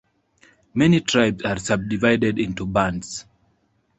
Many tribes are sub-divided into bands.